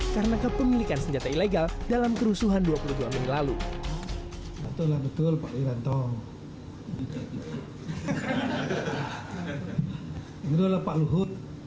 karena kepemilikan senjata ilegal dalam kerusuhan dua puluh dua mei lalu